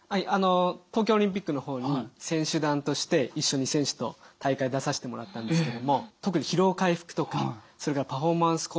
東京オリンピックの方に選手団として一緒に選手と大会出させてもらったんですけども特に疲労回復とかそれからパフォーマンス向上のための。